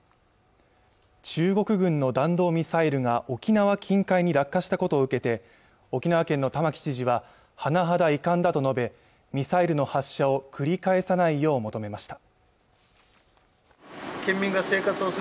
中国軍の弾道ミサイルが沖縄近海に落下したことを受けて沖縄県の玉城知事は甚だ遺憾だと述べミサイルの発射を繰り返さないよう求めました